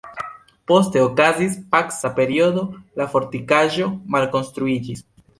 Poste okazis paca periodo, la fortikaĵo malkonstruiĝis.